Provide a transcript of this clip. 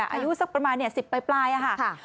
อายุสักประมาณ๑๐ปลายค่ะ